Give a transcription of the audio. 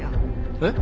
えっ？